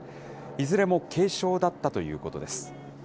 いずれも軽症だったということです。